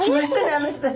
あの人たち。